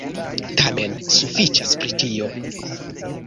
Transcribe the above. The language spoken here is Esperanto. Tamen, sufiĉas pri tio.